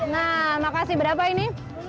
nah makasih berapa ini